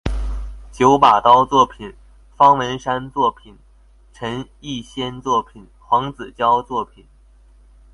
九把刀作品方文山作品陈奕先作品黄子佼作品